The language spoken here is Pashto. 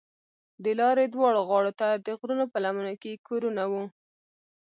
د لارې دواړو غاړو ته د غرونو په لمنو کې کورونه وو.